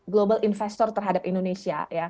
global investor terhadap indonesia